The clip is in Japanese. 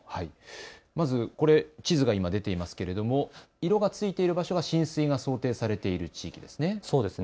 まずこれ、地図が出ていますけれども、色がついている場所が浸水が想定される地域ですね。